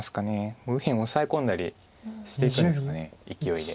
もう右辺オサエ込んだりしていくんですかいきおいで。